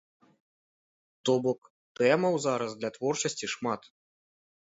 То бок тэмаў зараз для творчасці шмат.